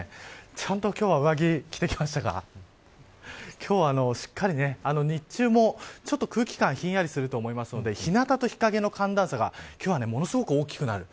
ちゃんと今日は上着、着てきましたが今日はしっかり日中も空気感がひんやりすると思うので日なたと日陰の寒暖差が今日は、ものすごく大きくなる。